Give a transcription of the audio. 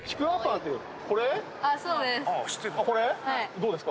どうですか？